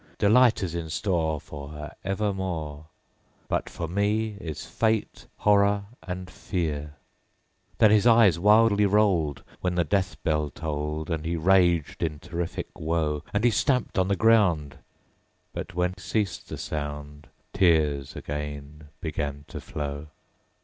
'Delight is in store For her evermore; But for me is fate, horror, and fear.' _25 5. Then his eyes wildly rolled, When the death bell tolled, And he raged in terrific woe. And he stamped on the ground, But when ceased the sound, _30 Tears again began to flow.